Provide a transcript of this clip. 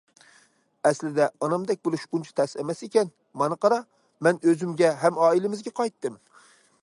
ئەسلىدە ئانامدەك بولۇش ئۇنچە تەس ئەمەس ئىكەن، مانا قارا، مەن ئۆزۈمگە ھەم ئائىلىمىزگە قايتتىم.